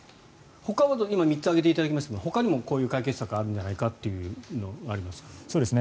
今３つ挙げていただきましたがほかにもこういう解決策あるんじゃないかというのありますか？